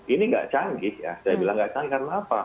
ini gak canggih ya saya bilang gak canggih karena apa